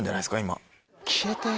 今。